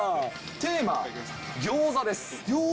テーマ、ギョーザです。